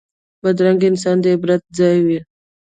بدرنګه انسان د عبرت ځای وي